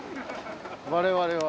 我々は。